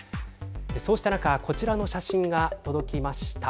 そうした中こちらの写真が届きました。